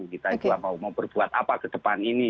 kita juga mau berbuat apa ke depan ini